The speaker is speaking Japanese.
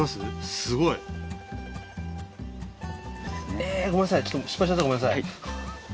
すごい。ごめんなさい失敗しちゃったらごめんなさい。